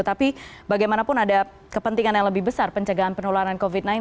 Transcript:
tapi bagaimanapun ada kepentingan yang lebih besar pencegahan penularan covid sembilan belas